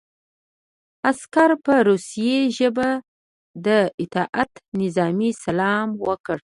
عسکر په روسي ژبه د اطاعت نظامي سلام وکړ